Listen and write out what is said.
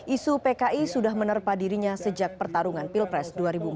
isu pki sudah menerpa dirinya sejak pertarungan pilpres dua ribu empat belas